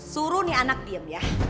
suruh nih anak diem ya